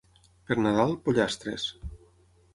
Per Nadal, pollastres.